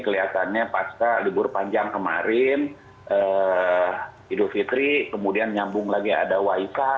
kelihatannya pasca libur panjang kemarin eh hidup fitri kemudian nyambung lagi ada waifah